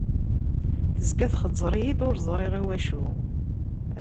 Tezga txeẓẓer-iyi-d, ur ẓriɣ iwacu!